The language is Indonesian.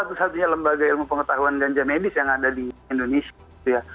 mungkin kita satu satunya lembaga ilmu pengetahuan ganja medis yang ada di indonesia